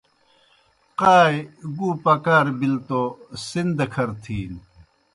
قائے گُو پکار بِلوْ توْ سن دہ کھرہ تِھینوْ